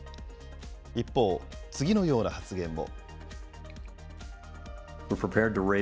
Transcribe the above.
一方、次のような発言も。